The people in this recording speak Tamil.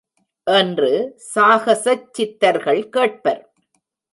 என்று சாகசச் சித்தர்கள் கேட்பர்.